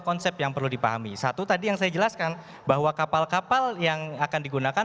konsep yang perlu dipahami satu tadi yang saya jelaskan bahwa kapal kapal yang akan digunakan